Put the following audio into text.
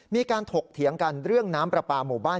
มีการถกเถียงกันเรื่องน้ำประปามู่บ้าน